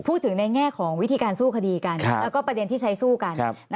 พูดถึงในแง่ของวิธีการสู้คดีกันแล้วก็ประเด็นที่ใช้สู้กัน